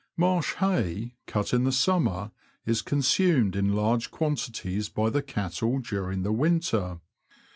Marsh hay, cut in the summer, is consumed in large quantities by the cattle during the winter.